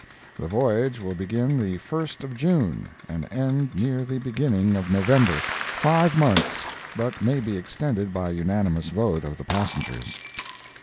The voyage will begin the 1st of June and end near the beginning of November—five months—but may be extended by unanimous vote of the passengers.